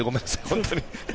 本当に。